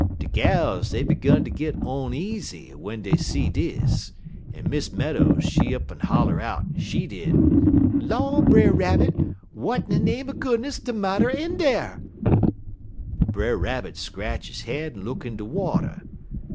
"De gals dey 'gun ter git oneasy w'en dey see dis, en Miss Meadows, she up en holler out, she did: "'Law, Brer Rabbit, w'at de name er goodness de marter in dar?' "Brer Rabbit scratch he head en look in de water.